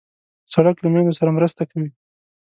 سړک له میندو سره مرسته کوي.